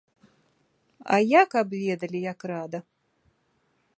А я, каб ведалі, як рада!